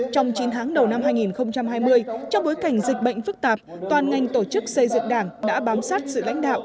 trong chín tháng đầu năm hai nghìn hai mươi trong bối cảnh dịch bệnh phức tạp toàn ngành tổ chức xây dựng đảng đã bám sát sự lãnh đạo